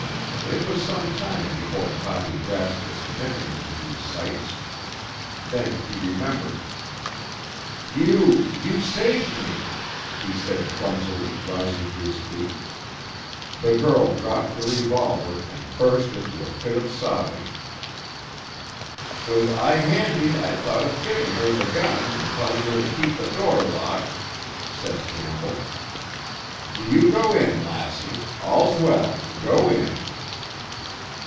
It was some time before Toppy grasped the significance of these sights. Then he remembered. "You—you saved me," he said clumsily, rising to his feet. The girl dropped the revolver and burst into a fit of sobbing. "'Twas aye handy I thought of giving her the gun and telling her to keep the door locked," said Campbell. "Do you go in, lassie. All's well. Go in."